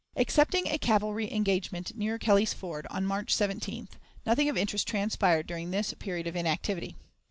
Excepting a cavalry engagement near Kelly's Ford, on March 17th, nothing of interest transpired during this period of inactivity.